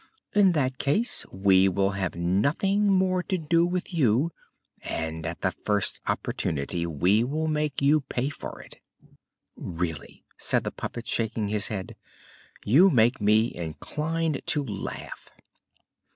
"In that case we will have nothing more to do with you, and at the first opportunity we will make you pay for it." "Really," said the puppet, shaking his head, "you make me inclined to laugh."